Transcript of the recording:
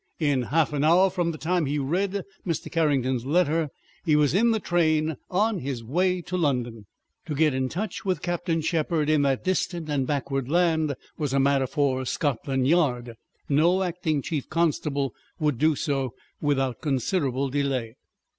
In half an hour from the time he read Mr. Carrington's letter he was in the train on his way to London. To get in touch with Captain Shepherd in that distant and backward land was a matter for Scotland Yard. No acting Chief Constable would do so without considerable delay.